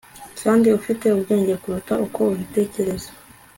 kandi ufite ubwenge kuruta uko ubitekereza